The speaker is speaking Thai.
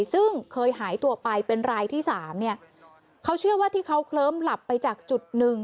ซึ่งเคยหายตัวไปเป็นรายที่สามเนี่ยเขาเชื่อว่าที่เขาเคลิ้มหลับไปจากจุดหนึ่ง